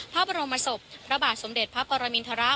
พระบรมศพพระบาทสมเด็จพระปรมินทร